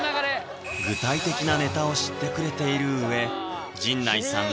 具体的なネタを知ってくれている上陣内さん